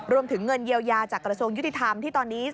เงินเยียวยาจากกระทรวงยุติธรรมที่ตอนนี้